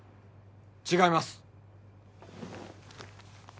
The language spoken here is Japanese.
違います